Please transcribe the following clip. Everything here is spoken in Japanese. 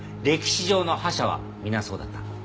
歴史上の覇者は皆そうだった。